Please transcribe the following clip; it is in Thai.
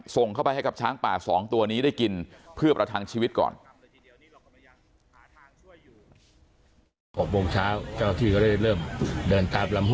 ส่งเข้าไปให้กับช้างป่า๒ตัวนี้ได้กินเพื่อประทังชีวิตก่อน